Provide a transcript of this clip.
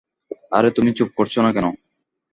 আরে তুমি চুপ করছ না কেন?